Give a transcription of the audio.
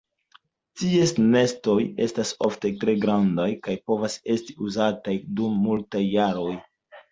Ties nestoj estas ofte tre grandaj kaj povas esti uzataj dum multaj jaroj.